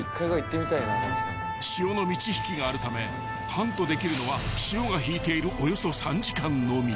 ［潮の満ち引きがあるためハントできるのは潮が引いているおよそ３時間のみ］